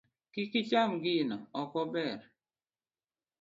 Kik icham gino, ok ober.